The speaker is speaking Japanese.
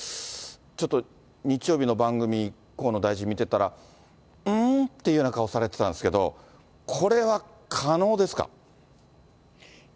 ちょっと日曜日の番組、河野大臣見てたら、うーん？っていうような顔されてたんですけど、これは可能ですか。